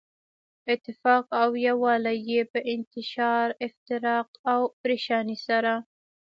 اتفاق او يو والی ئي په انتشار، افتراق او پريشانۍ سره